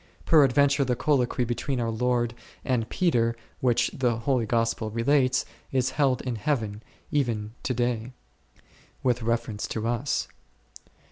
Peradventure the colloquy between our Lord and Peter, which the Holy Gospel relates, is held in Heaven, even to day m , with reference to us.